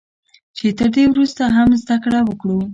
چې تر دې ورسته هم زده کړه وکړو